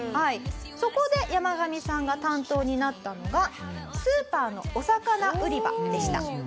そこでヤマガミさんが担当になったのがスーパーのお魚売り場でした。